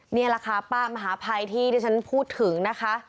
นี่แหละค่ะป้ามหาภัยที่ที่ฉันพูดถึงนะคะ